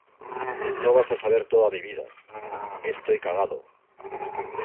no vas a saber toda mi vida. estoy cagado